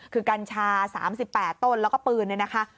คือกัญชา๓๘ต้นแล้วก็ปืนเนี่ยนะคะ